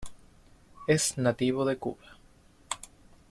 Es nativo de Cuba.